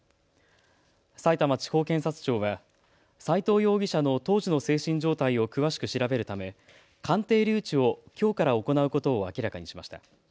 さいたま地方検察庁は斎藤容疑者の当時の精神状態を詳しく調べるため、鑑定留置をきょうから行うことを明らかにしました。